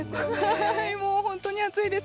もう本当に暑いです。